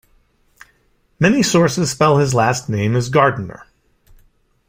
Many sources spell his last name as Gardiner.